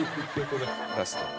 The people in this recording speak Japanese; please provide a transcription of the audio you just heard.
ラスト。